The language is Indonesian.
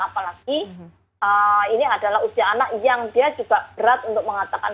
apalagi ini adalah usia anak yang dia juga berat untuk mengatakan